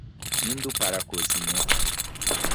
Indo para a cozinha